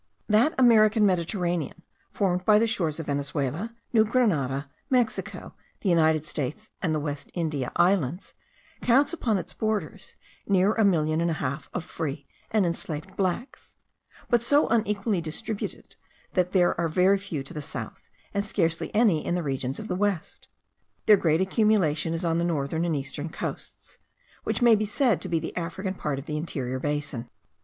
That American Mediterranean formed by the shores of Venezuela, New Grenada, Mexico, the United States, and the West India Islands, counts upon its borders near a million and a half of free and enslaved blacks; but so unequally distributed, that there are very few to the south, and scarcely any in the regions of the west. Their great accumulation is on the northern and eastern coasts, which may be said to be the African part of the interior basin.